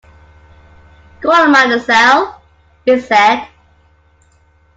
"Go on, mademoiselle," he said.